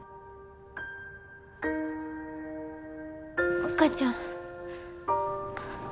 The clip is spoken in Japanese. お母ちゃん。